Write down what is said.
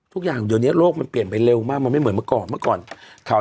ทุกอย่างเดี๋ยวนี้โลกมันเปลี่ยนไปเร็วมากว่าไม่เหมือนเมื่อเก่า